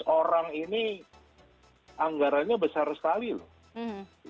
empat ratus orang ini anggarannya besar sekali loh